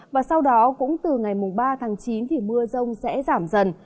và sau đó cũng từ ngày ba tháng chín thì mưa rông sẽ giảm dần